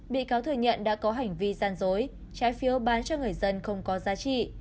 bị cáo thừa nhận đã có hành vi gian dối trái phiếu bán cho người dân không có giá trị